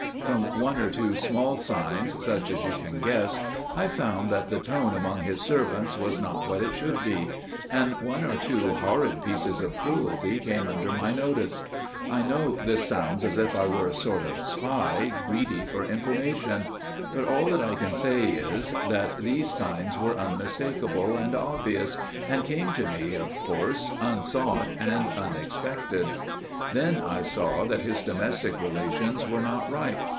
From one or two small signs, such as you can guess, I found that the tone among his servants was not what it should be; and one or two horrid pieces of cruelty came under my notice. I know this sounds as if I were a sort of spy, greedy for information; but all that I can say is, that these signs were unmistakable and obvious, and came to me, of course, unsought and unexpected. Then I saw that his domestic relations were not right.